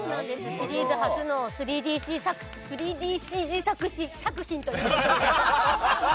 シリーズ初の３ＤＣＧ３ＤＣＧ作品ということで。